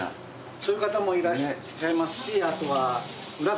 そういう方もいらっしゃいますしあとは。